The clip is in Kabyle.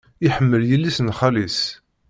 Iḥemmel yelli-s n xali-s.